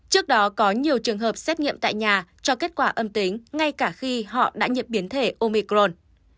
trước đó có nhiều trường hợp xét nghiệm tại nhà cho kết quả âm tính ngay cả khi họ đã nhập biến thể omicron